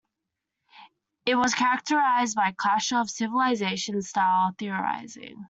It was characterized by clash of civilizations-style theorizing.